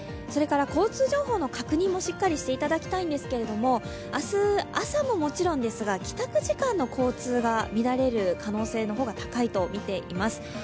それから交通情報の確認もしっかりしていただきたいんですが、明日朝ももちろんですが、帰宅時間の交通が乱れる可能性の方が高いとみています。